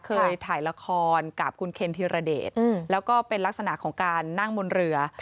เคยถ่ายละครกับคุณเคนธีรเดชแล้วก็เป็นลักษณะของการนั่งบนเรือ